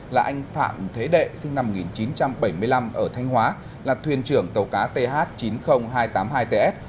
là anh phạm thế đệ sinh năm một nghìn chín trăm bảy mươi năm ở thanh hóa là thuyền trưởng tàu cá th chín mươi nghìn hai trăm tám mươi hai ts